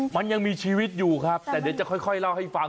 มันยังมีชีวิตอยู่ครับแต่เดี๋ยวจะค่อยเล่าให้ฟัง